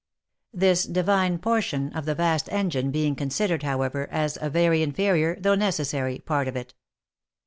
This divine portion of the vast engine being considered, however, as a very inferior, though necessary, part of it.